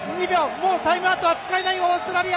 もうタイムアウトは使えないオーストラリア。